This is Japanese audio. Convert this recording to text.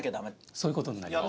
そういう事になります。